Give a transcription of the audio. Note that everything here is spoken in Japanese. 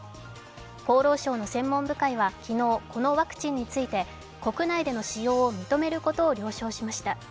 厚労省の専門部会は昨日このワクチンについて国内での使用を認めることを了承しました。